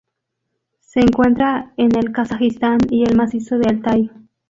Se encuentra en el Kazajistán y el macizo de Altai.